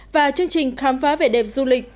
và chương trình khám phá vẻ đẹp du lịch